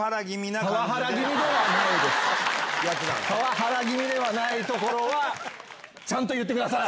パワハラ気味ではないところはちゃんと言ってください！